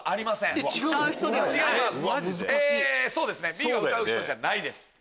Ｂは歌う人じゃないです。